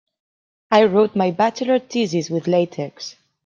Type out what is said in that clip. I wrote my bachelor thesis with latex.